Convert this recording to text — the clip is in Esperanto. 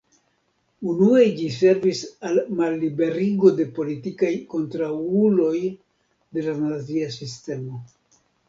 Unue ĝi servis al malliberigo de politikaj kontraŭuloj de la nazia sistemo.